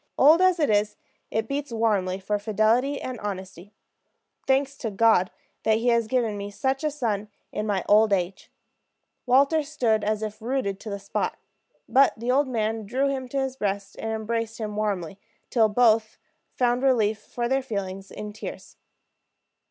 Old as it is, it beats warmly for fidelity and honesty. Thanks to God that He has given me such a son in my lonely old age!" Walter stood as if rooted to the spot. But the old man drew him to his breast and embraced him warmly, till both found relief for their feelings in tears.